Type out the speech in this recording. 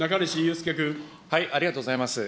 ありがとうございます。